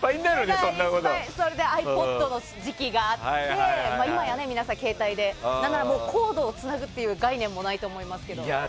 それでｉＰｏｄの時期があって今や皆さん携帯でコードをつなぐっていう概念もないと思いますけど。